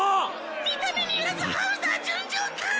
見た目によらずハウザー純情か！